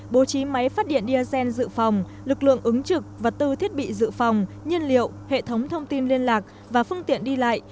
bố trí máy phát điện diesel dự phòng lực lượng ứng trực vật tư thiết bị dự phòng nhiên liệu hệ thống thông tin liên lạc và phương tiện đi lại